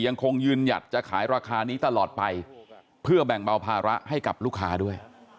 ยังคงยืนหยัดจะขายราคานี้ตลอดไปเพื่อแบ่งเบาภาระให้กับลูกค้าด้วย